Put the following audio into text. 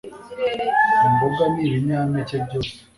imboga ni binyampeke byose